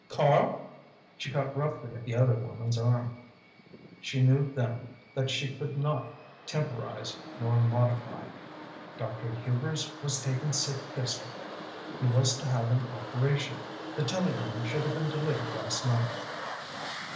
Karl?" she caught roughly at the other woman's arm. She knew then that she could not temporise nor modify. "Dr. Hubers was taken sick yesterday. He was to have an operation. The telegram should have been delivered last night."